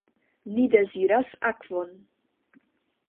Ni deziras akvon.